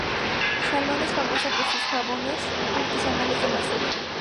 Salon es famosa por sus jabones artesanales de "Marsella".